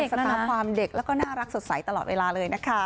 สตาร์ความเด็กแล้วก็น่ารักสดใสตลอดเวลาเลยนะคะ